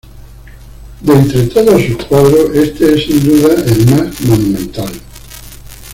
De entre todos sus cuadros, este es sin duda el más monumental.